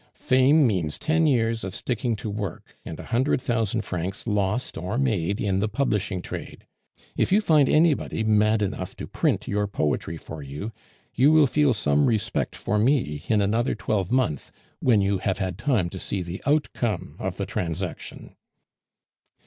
"Fame means ten years of sticking to work, and a hundred thousand francs lost or made in the publishing trade. If you find anybody mad enough to print your poetry for you, you will feel some respect for me in another twelvemonth, when you have had time to see the outcome of the transaction."